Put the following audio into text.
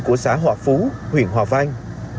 của xã hòa phú huyện hòa vang